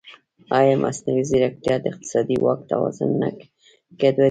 ایا مصنوعي ځیرکتیا د اقتصادي واک توازن نه ګډوډوي؟